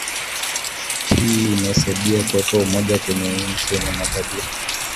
Hii imesaidia kuweka umoja kwenye nchi yenye makabila